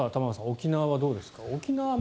沖縄はどうですか。